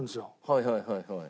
はいはいはいはい。